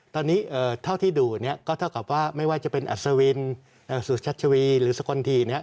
ตอนนี้เท่าที่ดูเนี่ยก็เท่ากับว่าไม่ว่าจะเป็นอัศวินสุชัชวีหรือสกลทีเนี่ย